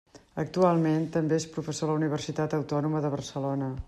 Actualment també és professor a la Universitat Autònoma de Barcelona.